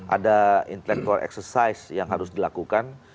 ada intellectual exercise yang harus dilakukan